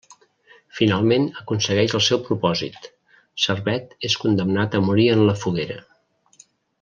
Finalment aconsegueix el seu propòsit, Servet és condemnat a morir en la foguera.